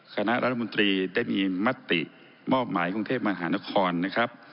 คณะรัฐมนตรีได้มีมติมอบหมายกรุงเทพมหานครนะครับ